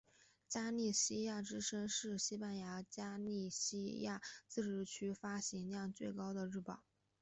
加利西亚之声是在西班牙加利西亚自治区发行量最高的日报。